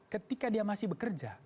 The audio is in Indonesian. ketika dia masih bekerja